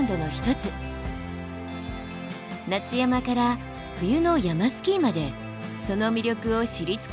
夏山から冬の山スキーまでその魅力を知り尽くしています。